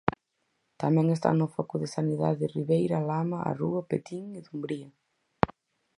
Tamén están no foco de Sanidade Ribeira, A Lama, A Rúa, Petín e Dumbría.